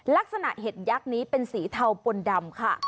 เห็ดยักษ์นี้เป็นสีเทาปนดำค่ะ